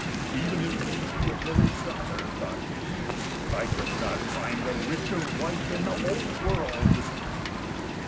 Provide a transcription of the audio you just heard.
"Even if she be a miller's daughter," thought he, "I could not find a richer wife in the whole world."